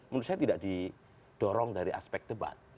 menurut saya tidak didorong dari aspek debat